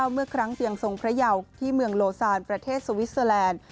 เมื่อครั้งเตียงทรงพระเยาที่เมืองโลซานประเทศสวิสเตอร์แลนด์